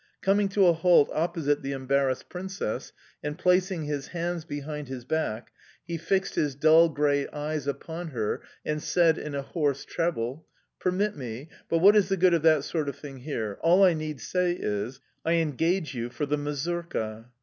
Coming to a halt opposite the embarrassed Princess and placing his hands behind his back, he fixed his dull grey eyes upon her, and said in a hoarse treble: "Permettez... but what is the good of that sort of thing here... All I need say is: I engage you for the mazurka"...